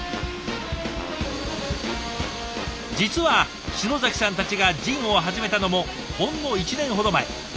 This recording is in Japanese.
実は篠崎さんたちがジンを始めたのもほんの１年ほど前。